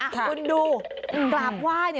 คุณดูกราบไหว้